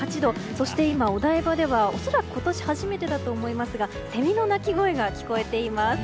そして今、お台場では恐らく今年初めてだと思いますがセミの鳴き声が聞こえています。